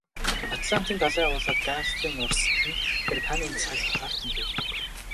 Атлантын далай болоод Галфын урсгал нь Британийн цаг агаарт нөлөөлдөг.